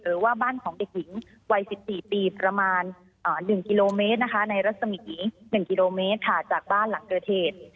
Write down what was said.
หรือว่าบ้านของเด็กหญิงวัย๑๔ปีประมาณ๑กิโลเมตรนะคะในรัศมี๑กิโลเมตรจากบ้านหลังเกิดเหตุ